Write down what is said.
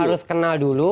harus kenal dulu